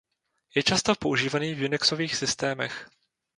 Je často používaný v Unixových systémech.